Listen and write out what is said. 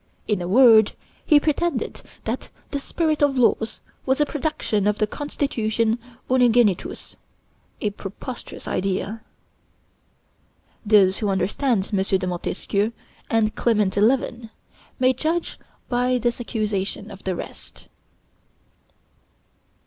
In a word, he pretended that the 'Spirit of Laws' was a production of the constitution Unigenitus; a preposterous idea. Those who understand M. de Montesquieu and Clement XI. may judge, by this accusation, of the rest.